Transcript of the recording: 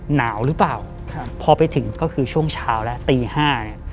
หนาวหรือเปล่าครับพอไปถึงก็คือช่วงเช้าแล้วตีห้าเนี่ย